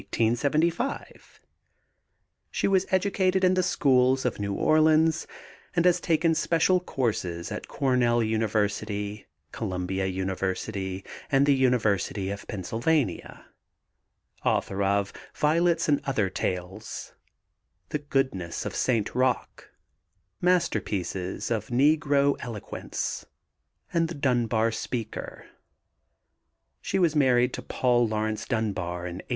She was educated in the schools of New Orleans and has taken special courses at Cornell University, Columbia University, and the University of Pennsylvania. Author of Violets and Other Tales, The Goodness of St. Rocque, Masterpieces of Negro Eloquence, and The Dunbar Speaker. She was married to Paul Laurence Dunbar in 1898.